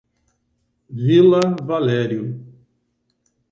Vila Valério